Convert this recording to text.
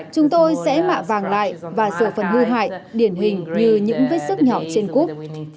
chúng tôi sẽ mạ vàng lại và sổ phần hư hại điển hình như những vết sức nhỏ trên cúp